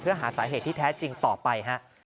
เพื่อหาสาเหตุที่แท้จริงต่อไปฮะ